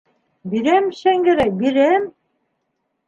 Бирәм, Шәңгәрәй, бирәм.